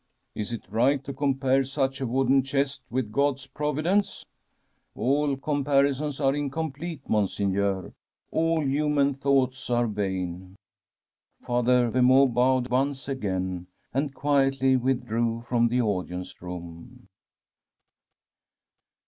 * Is it right to compare such a wooden chest with God's providence ?'* All comparisons are incomplete, Monseig neur; all human thoughts are vain.' Father Vemeau bowed once again, and quietly withilrcw from the audience room.